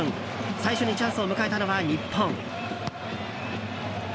最初にチャンスを迎えたのは日本。